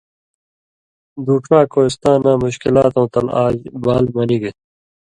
دُو ڇا کوہستاناں مشکلاتوں تل آج بال منیگہ۔